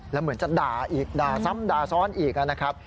แล้วเหมือนจะด่าอีกด่าซ้ำด่าซ้อนอีกนะครับ